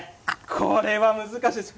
これは難しいです。